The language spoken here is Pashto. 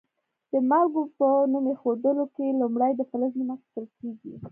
د مالګو په نوم ایښودلو کې لومړی د فلز نوم اخیستل کیږي.